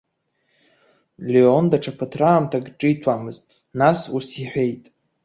Леон даҽа ԥыҭраамҭак ҿиҭуамызт, нас ус иҳәеит.